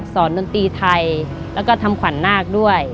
ดนตรีไทยแล้วก็ทำขวัญนาคด้วย